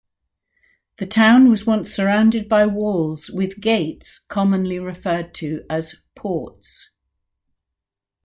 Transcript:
The town was once surrounded by walls with gates commonly referred to as 'ports'.